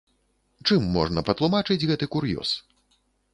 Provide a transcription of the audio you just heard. Чым можна патлумачыць гэты кур'ёз?